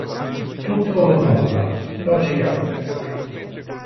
Tutto o nulla, logica di destra.